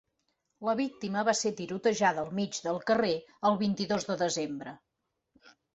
La víctima va ser tirotejada al mig del carrer el vint-i-dos de desembre.